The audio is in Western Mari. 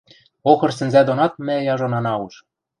охыр сӹнзӓ донат мӓ яжон ана уж.